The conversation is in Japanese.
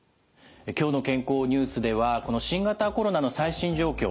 「きょうの健康ニュース」ではこの新型コロナの最新状況